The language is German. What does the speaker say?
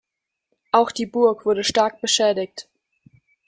Auch die Burg wurde stark beschädigt.